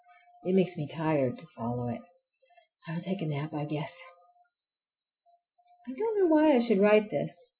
It makes me tired to follow it. I will take a nap, I guess. I don't know why I should write this.